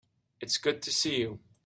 It's good to see you.